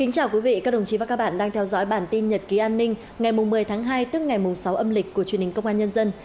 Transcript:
chào mừng quý vị đến với bản tin nhật ký an ninh ngày một mươi tháng hai tức ngày sáu âm lịch của truyền hình công an nhân dân